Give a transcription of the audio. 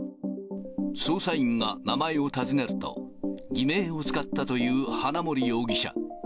捜査員が名前を尋ねると、偽名を使ったという花森容疑者。